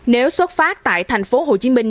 nếu xuất phát tại thành phố hồ chí minh